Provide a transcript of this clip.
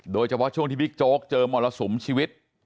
โดยเฉพาะช่วงที่บิ๊กโจ๊กเจอมรสุมชีวิต